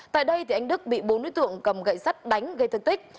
tại đây anh đức bị bốn đối tượng cầm gậy sắt đánh gây thương tích